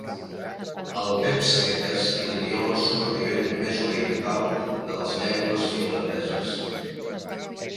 El vepse és l'idioma supervivent més oriental de les llengües finlandeses.